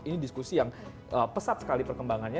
ini diskusi yang pesat sekali perkembangannya